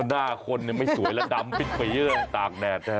หน้าคนไม่สวยแล้วดำปิดไปเยอะตากแดดนะฮะ